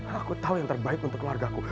aku tahu yang terbaik untuk keluarga ku